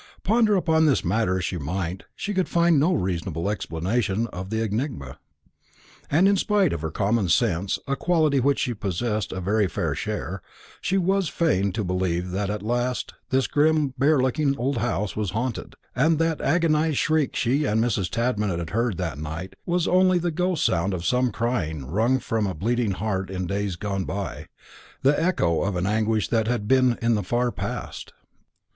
Ponder upon this matter as she might, she could find no reasonable explanation of the enigma; and in spite of her common sense a quality of which she possessed a very fair share she was fain to believe at last that this grim bare looking old house was haunted, and that the agonised shriek she and Mrs. Tadman had heard that night was only the ghostly sound of some cry wrung from a bleeding heart in days gone by, the echo of an anguish that had been in the far past.